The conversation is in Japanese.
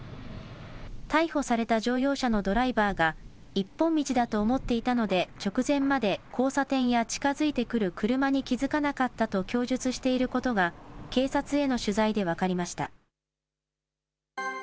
逮捕された乗用車のドライバーが、一本道だと思っていたので直前まで交差点や近づいてくる車に気付かなかったと供述していることが、警察への取材で分かりました。